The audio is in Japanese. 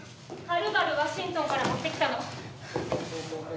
はるばるワシントンから持ってきたの。